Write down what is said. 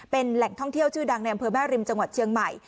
เป็นแหล่งท่องเที่ยวชื่อดังในอำเภอแม่ริมจังหวัดเชียงใหม่